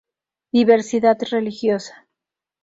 Diversidad Religiosa.